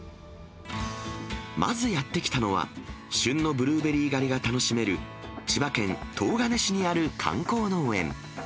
まずやって来たのは、旬のブルーベリー狩りが楽しめる千葉県東金市にある観光農園。